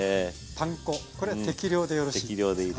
パン粉これ適量でよろしいですか？